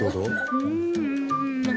うん。